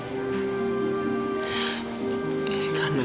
sampai jumpa lagi